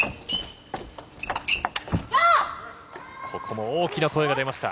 ここも大きな声が出ました。